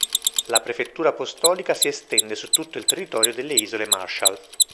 La prefettura apostolica si estende su tutto il territorio delle Isole Marshall.